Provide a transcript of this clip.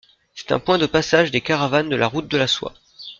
C'est un point de passage des caravanes de la route de la soie.